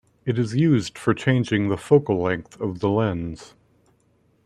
It is used for changing the focal length of the lens.